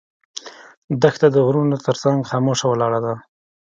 دښته د غرونو تر څنګ خاموشه ولاړه ده.